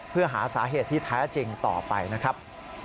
เพื่อหาสาเหตุที่แท้จริงต่อไปนะครับ